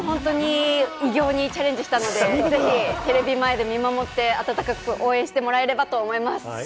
偉業にチャレンジしたので、ぜひテレビ前で見守って、温かく応援してもらえればと思います。